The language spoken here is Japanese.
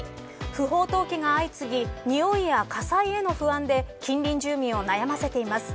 不法投棄が相次ぎにおいや火災への不安で近隣住民を悩ませています。